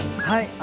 はい。